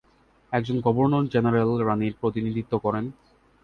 একজন governor general রাণীর প্রতিনিধিত্ব করেন।